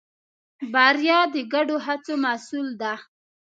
بریا د ګډو هڅو محصول ده.